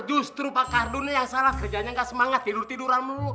justru pak ardun yang salah kerjanya nggak semangat tidur tiduran mulu